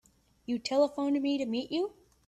You telephoned me to meet you.